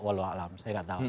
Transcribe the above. walau alam saya nggak tahu